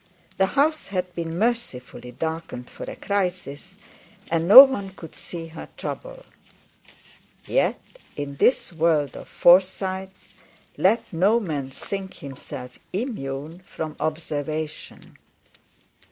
The house had been mercifully darkened for a crisis, and no one could see her trouble. Yet in this world of Forsytes let no man think himself immune from observation.